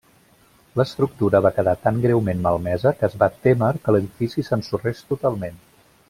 L'estructura va quedar tan greument malmesa que es va témer que l'edifici s'ensorrés totalment.